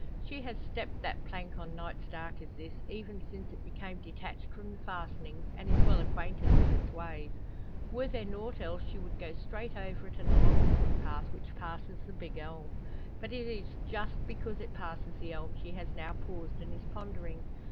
She has stepped that plank on nights dark as this, even since it became detached from the fastenings, and is well acquainted with its ways. Were there nought else, she would go straight over it, and along the footpath, which passes the `big elm.' But it is just because it passes the elm she has now paused and is pondering.